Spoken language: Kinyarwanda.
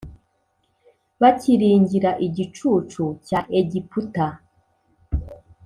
bakiringira igicucu cya Egiputa